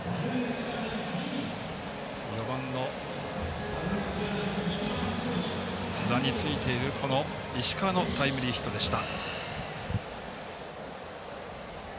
４番の座についている石川のタイムリーツーベースヒットでした。